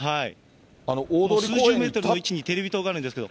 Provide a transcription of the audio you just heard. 数十メートルの位置にテレビ塔があるんですけど。